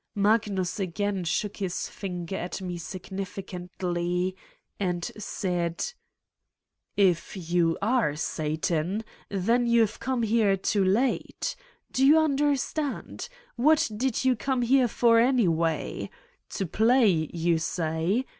Magnus again shook his finger at me significantly and said : "If you are Satan, then you've come here too late. Do you understand? What did you come here for, anyway? To play, you say?